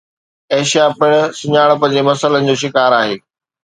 Asia پڻ سڃاڻپ جي مسئلن جو شڪار آهي